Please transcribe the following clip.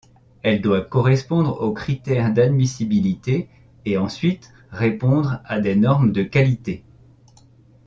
Elle doit correspondre aux critères d'admissibilité et ensuite répondre à des normes de qualité.